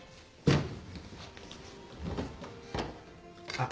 あっ。